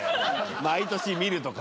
「毎年見る」とか。